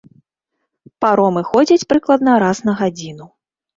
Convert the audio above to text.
Паромы ходзяць прыкладна раз на гадзіну.